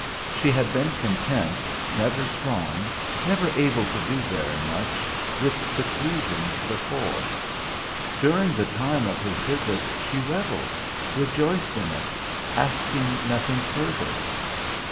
She had been content, never strong, never able to do very much, with seclusion before. During the time of his visits she revelled, rejoiced in it, asking nothing further.